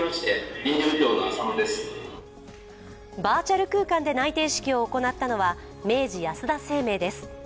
バーチャル空間で内定式を行ったのは明治安田生命です。